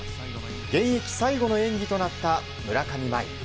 現役最後の演技となった村上茉愛。